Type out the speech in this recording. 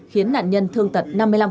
khiến nạn nhân thương tật năm mươi năm